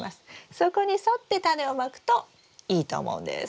そこに沿ってタネをまくといいと思うんです。